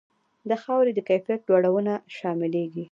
د خاورې د کیفیت لوړونه شاملیږي.